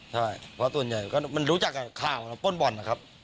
ใช่เพราะส่วนใหญ่ก็มันรู้จักกับข่าวป้นบ่อนนะครับ